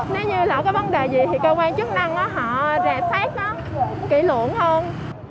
nếu như là có vấn đề gì thì cơ quan chức năng họ rè phát nó kỹ luận hơn